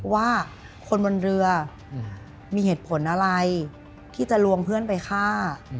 ว่าคนบนเรือมีเหตุผลอะไรที่จะลวงเพื่อนไปฆ่า